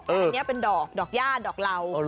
อันนี้เป็นดอกดอกญาติดอกราว